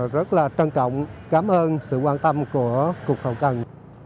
rất là trân trọng cảm ơn sự quan tâm của cục hậu cần